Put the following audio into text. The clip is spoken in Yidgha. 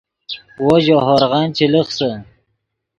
وو ژے ہورغن چے لخسے